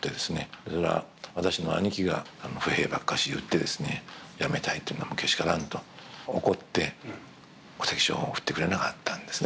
それは私の兄貴が「不平ばっかし言って辞めたいって言うのはけしからん」と怒って戸籍抄本を送ってくれなかったんですね。